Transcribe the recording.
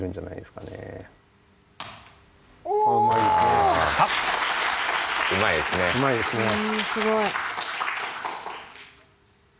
すごい。